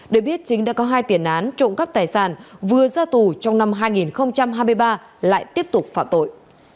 để biết chính đã có hai tiền án trộm cắp tài sản vừa ra tù trong năm hai nghìn hai mươi ba lại tiếp tục phạm tội